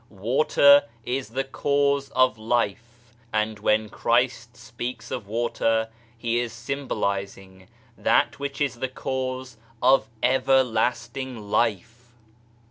Water is the cause of life, and when Christ speaks of water, He is symbolizing that which is the cause of Everlasting Life.